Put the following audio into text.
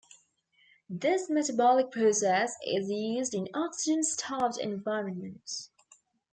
This metabolic process is used in oxygen starved environments.